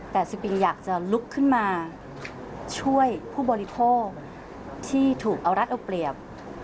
แต่สปิงอยากจะลุกขึ้นมาช่วยผู้บริโภคที่ถูกเอารัฐเอาเปรียบ